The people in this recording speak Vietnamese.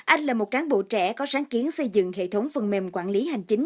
anh là một cán bộ trẻ có sáng kiến xây dựng hệ thống phần mềm quản lý hành chính